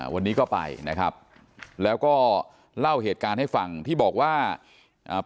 วันนี้ก็ไปนะครับแล้วก็เล่าเหตุการณ์ให้ฟังที่บอกว่าอ่า